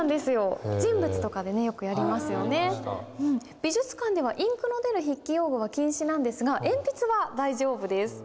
美術館ではインクの出る筆記用具は禁止なんですが鉛筆は大丈夫です。